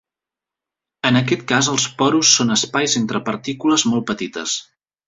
En aquest cas els porus són espais entre partícules molt petites.